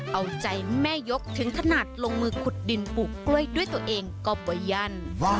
เอาใจแม่ยกถึงขนาดลงมือขุดดินปลูกกล้วยด้วยตัวเองก็ประยัน